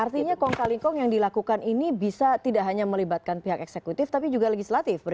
artinya kongkaling kong yang dilakukan ini bisa tidak hanya melibatkan pihak eksekutif tapi juga legislatif